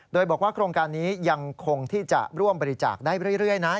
โดยบอกว่าโครงการนี้ยังคงที่จะร่วมบริจาคได้เรื่อยนะ